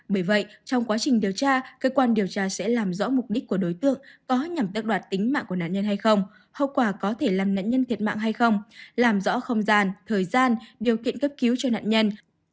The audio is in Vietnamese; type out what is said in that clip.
bởi vậy trong quá trình điều tra cơ quan điều tra sẽ làm rõ mục đích của đối tượng có nhằm đắc đoạt tính mạng của nạn nhân hay không hậu quả có thể làm nạn nhân thiệt mạng hay không làm rõ không gian thời gian điều kiện cấp cứu cho nạn nhân